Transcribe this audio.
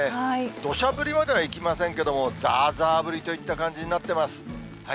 どしゃ降りまではいきませんけれども、ざーざー降りといった感じになっています。